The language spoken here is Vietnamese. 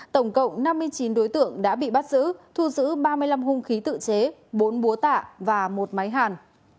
tổng cộng năm mươi chín đối tượng đã bị bắt giữ thu giữ ba mươi năm hung khí tự chế bốn búa tạ và một máy hàn